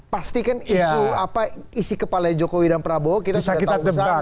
pastikan isu apa isi kepala jokowi dan prabowo kita sudah tahu sama